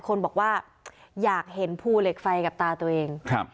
คนบอกว่าอยากเห็นภูเหล็กไฟกับตาตัวเองครับ